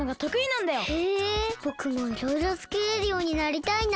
へえぼくもいろいろつくれるようになりたいな。